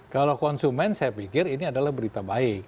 kalau konsumen saya pikir ini adalah berita baik